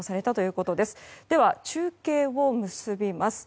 では、中継を結びます。